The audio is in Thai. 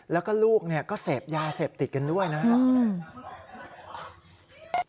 แล้วก็ลูกเนี่ยก็เสพยาเสพติดกันด้วยนะครับ